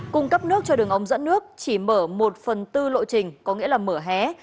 cung cấp nước cho đường ống dẫn nước chỉ mở một phần tư lộ trình có nghĩa là mở hé